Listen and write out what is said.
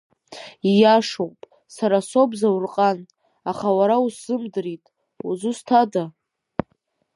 Ииашоуп, сара соуп Заурҟан, аха уара усзымдырит, узусҭада?